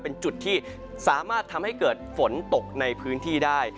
เป็นจุดที่สามารถทำให้เกิดฝนตกในพื้นที่ได้